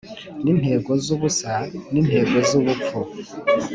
nintego zubusa nintego zubupfu. ..